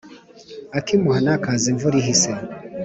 Ako imuhana kaza imvura ihise.